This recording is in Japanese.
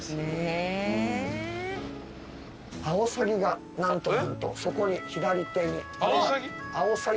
アオサギが何と何とそこに左手に。